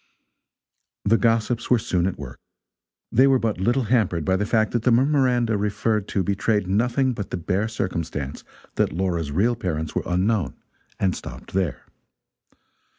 The gossips were soon at work. They were but little hampered by the fact that the memoranda referred to betrayed nothing but the bare circumstance that Laura's real parents were unknown, and stopped there.